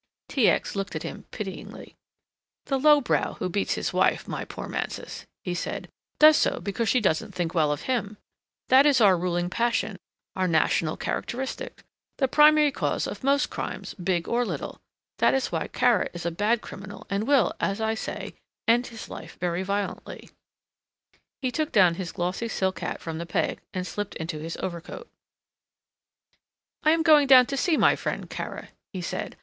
T. X. looked at him pityingly. "The low brow who beats his wife, my poor Mansus," he said, "does so because she doesn't think well of him. That is our ruling passion, our national characteristic, the primary cause of most crimes, big or little. That is why Kara is a bad criminal and will, as I say, end his life very violently." He took down his glossy silk hat from the peg and slipped into his overcoat. "I am going down to see my friend Kara," he said.